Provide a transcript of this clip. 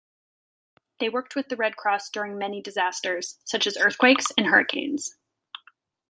They worked with the Red Cross during many disasters, such as earthquakes and hurricanes.